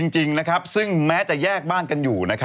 จริงซึ่งแม้จะแยกบ้านกันอยู่